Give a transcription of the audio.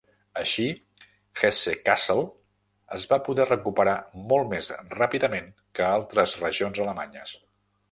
Així, Hesse-Kassel es va poder recuperar molt més ràpidament que altres regions alemanyes.